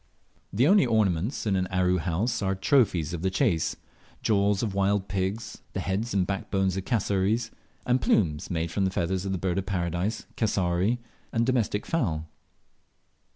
The only ornaments in an Aru horse are trophies of the chase jaws of wild pigs, the heads and backbones of cassowaries, and plumes made from the feathers of the Bird of Paradise, cassowary, and domestic fowl.